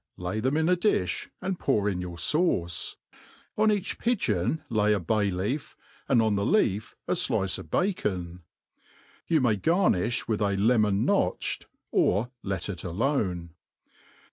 lay tbem in a difli, and pour in your fance : on each pi geon lay a bay leaf, and on the leaf a flice of bacon. Yoi^ jnay gajpiih with a lemon notched, or let it alone.